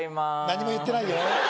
何も言ってないよ